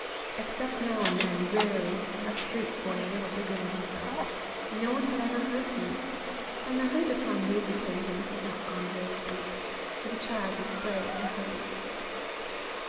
Except now and then, rarely, a street boy a little bigger than himself, no one had ever hurt him, and the hurt upon these occasions had not gone very deep, for the child was brave and hardy.